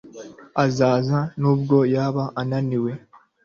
Azaza nubwo yaba ananiwe